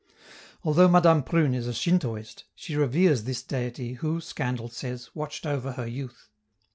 (Although Madame Prune is a Shintoist, she reveres this deity, who, scandal says, watched over her youth.)